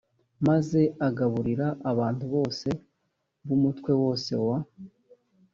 maze agaburira abantu bose b umutwe wose wa